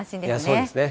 そうですね。